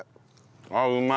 あっうまい。